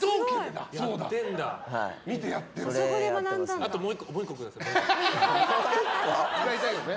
あと、もう１個ください。